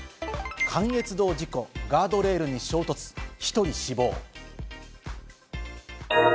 関越道事故、ガードレールに衝突、１人死亡。